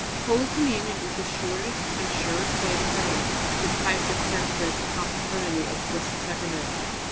"Holy communion is the shortest and surest way to Heaven," said Pius X to the Confraternity of the Blessed Sacrament.